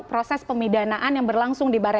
proses pemidanaan yang berlangsung di barat selu